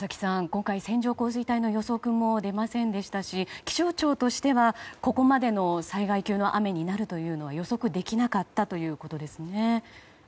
今回、線状降水帯の予測も出ませんでしたし気象庁としてはここまでの災害級の雨になるというのは予測できなかったということですね。